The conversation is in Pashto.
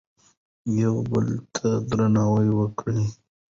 یو بل ته درناوی وکړو.